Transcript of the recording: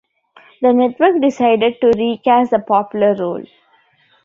The network decided to recast the popular role.